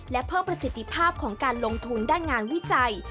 และเพิ่มประสิทธิภาพของการลงทุนด้านงานวิจัย